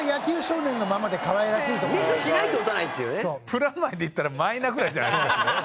プラマイでいったら「マイナ」ぐらいじゃないですか？